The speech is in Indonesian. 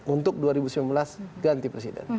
untuk dua ribu sembilan belas ganti presiden